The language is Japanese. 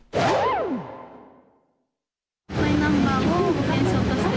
マイナンバーを保険証として